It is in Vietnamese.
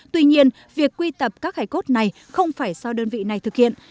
tuy nhiên việc quy tập các hải cốt này không phải do đơn vị này thực hiện